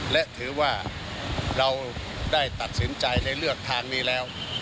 และถือว่าเราได้ตัดสินใจในเลือกทางนี้แล้ว